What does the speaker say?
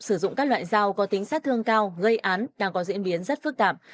sử dụng các loại dao có tính sát thương cao gây án đang có diễn biến rất phức tạp